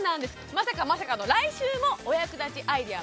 まさかまさかの来週もお役立ちアイデア